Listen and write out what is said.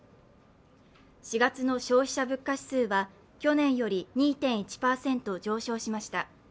４月の消費者物価指数は去年より２．１％上昇しました。